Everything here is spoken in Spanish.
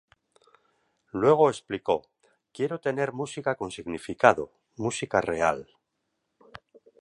Luego explicó, "Quiero tener música con significado, música real.